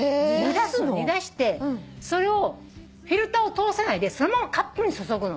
煮出してそれをフィルターを通さないでそのままカップに注ぐの。